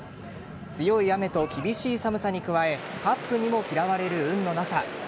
強い雨と厳しい寒さに加えカップにも嫌われる運のなさ。